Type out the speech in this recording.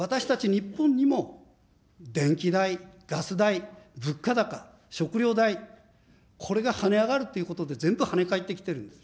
日本にも電気代、ガス代、物価高、食料代、これがはね上がるということで全部はね返ってきてるんです。